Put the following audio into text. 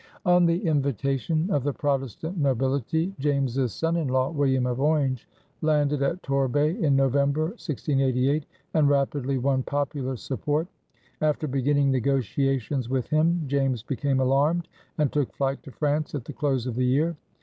On the invitation of the Protestant nobility, James's son in law, William of Orange, landed at Torbay in November, 1688, and rapidly won popular support. After beginning negotiations with him, James became alarmed and took flight to France at the close of the year.